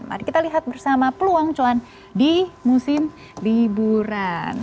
mari kita lihat bersama peluang cuan di musim liburan